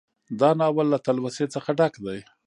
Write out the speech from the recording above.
دا ناول له تلوسې څخه ډک دى